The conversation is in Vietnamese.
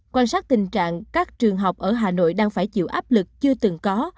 quan sát tình trạng các trường học ở hà nội đang phải chịu áp lực chưa từng có